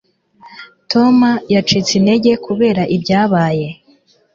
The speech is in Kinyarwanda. tom yacitse intege kubera ibyabaye